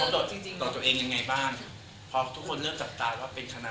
พอทุกคนเลือกจับตาว่าเป็นคณะ